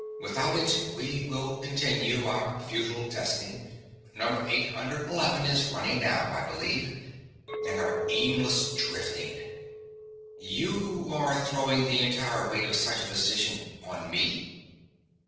Without it, we will continue our futile testing number eight hundred eleven is running now, I believe? and our aimless drifting._" "You are throwing the entire weight of such a decision on me?"